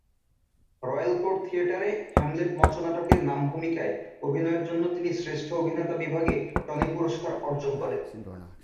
Royal court থিয়েটারে "Hamlet" মঞ্চনাটকে নাম ভূমিকায় অভিনয়ের জন্য তিনি শ্রেষ্ঠ অভিনেতা বিভাগে টনি পুরস্কার অর্জন করেন।